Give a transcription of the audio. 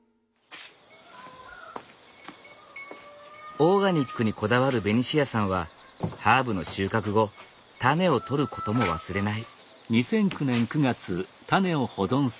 オーガニックにこだわるベニシアさんはハーブの収穫後タネを取ることも忘れない。